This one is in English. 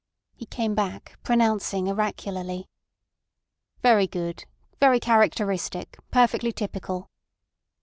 He came back, pronouncing oracularly: "Very good. Very characteristic, perfectly typical."